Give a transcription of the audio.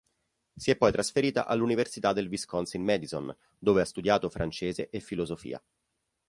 Si è poi trasferita all'Università del Wisconsin-Madison, dove ha studiato francese e filosofia.